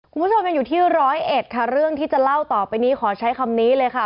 คุณผู้ชมยังอยู่ที่ร้อยเอ็ดค่ะเรื่องที่จะเล่าต่อไปนี้ขอใช้คำนี้เลยค่ะ